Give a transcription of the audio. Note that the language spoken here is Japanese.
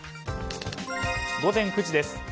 午前９時です。